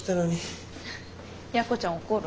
やこちゃん怒る？